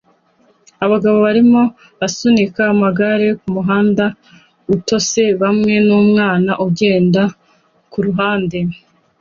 Umugabo arimo asunika amagare kumuhanda utose hamwe numwana ugenda kuruhande